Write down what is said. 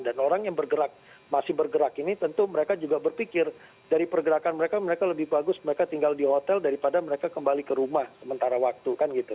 dan orang yang bergerak masih bergerak ini tentu mereka juga berpikir dari pergerakan mereka mereka lebih bagus mereka tinggal di hotel daripada mereka kembali ke rumah sementara waktu kan gitu